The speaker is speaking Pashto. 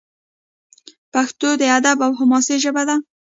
پښتو د ادب او حماسې ژبه ده.